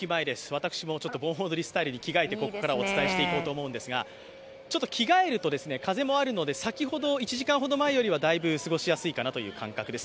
私も盆踊りスタイルに着替えてお伝えしていきますが着替えると風もあるので、先ほど１時間ほど前よりもだいぶ涼しいかなという感じがあります。